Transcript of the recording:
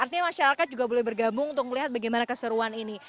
artinya masyarakat juga boleh bergabung untuk melihat bagaimana keseruan ini